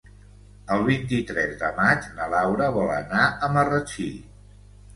El vint-i-tres de maig na Laura vol anar a Marratxí.